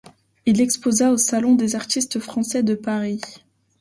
Il exposa au Salon des artistes français de Paris.